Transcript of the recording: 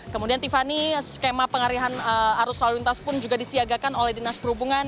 kemudian tiffany skema pengarihan arus lalu lintas pun juga disiagakan oleh dinas perhubungan